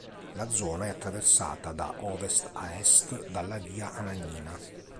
La zona è attraversata da ovest a est dalla via Anagnina.